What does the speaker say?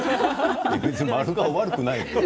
別に丸顔、悪くないよ。